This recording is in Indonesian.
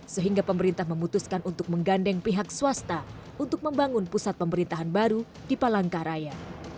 sehingga pemerintah memutuskan untuk menggandeng pihak swasta untuk membangun pusat pemerintahan baru di palangkaraya